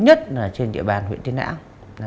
nhất là trên địa bàn huyện tiên lã là